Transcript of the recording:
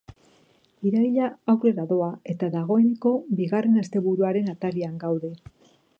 Iraila aurrera doa eta dagoeneko bigarren asteburuaren atarian gaude.